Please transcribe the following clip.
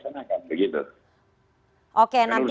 itu adalah senang pengadilan yang harus dilaksanakan